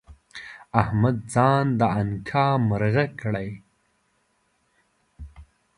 احمد ځان د انقا مرغه کړی؛